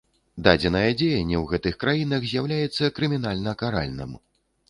Дадзенае дзеянне ў гэтых краінах з'яўляецца крымінальна каральным.